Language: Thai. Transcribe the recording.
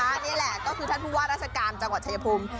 นี่แหละก็คือท่านผู้ว่าราชการจังหวัดชายภูมิ